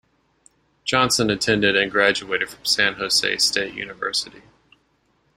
Johnson attended and graduated from San Jose State University.